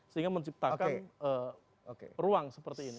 sehingga menciptakan ruang seperti ini